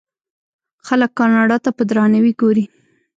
خلک کاناډا ته په درناوي ګوري.